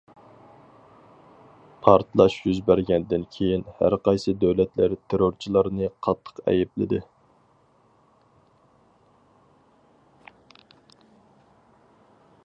پارتلاش يۈز بەرگەندىن كېيىن، ھەرقايسى دۆلەتلەر تېررورچىلارنى قاتتىق ئەيىبلىدى.